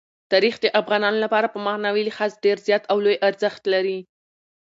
تاریخ د افغانانو لپاره په معنوي لحاظ ډېر زیات او لوی ارزښت لري.